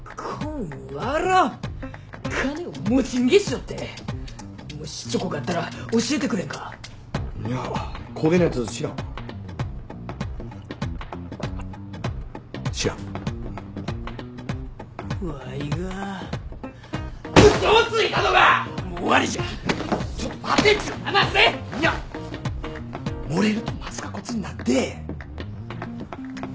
んにゃ漏れるとまずかこつになっで。